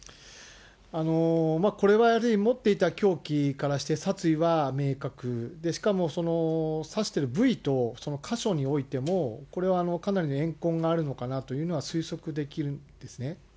これはやはり持っていた凶器からして殺意は明確、しかも刺している部位とその箇所においても、これはかなりの怨恨があるのかなというのが推測できるんですね。